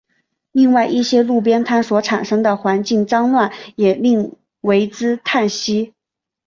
另外一些路边摊所产生的环境脏乱也令为之叹息。